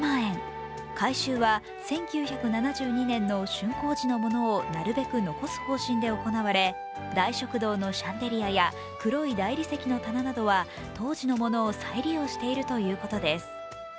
改修は１９７２年の竣工時のものをなるべく残す方針で行われ大食堂のシャンデリアや黒い大理石の棚などは当時のものを再利用しているということです。